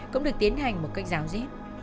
cũng được tiến hành một cách giáo diết